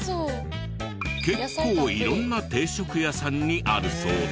結構色んな定食屋さんにあるそうです。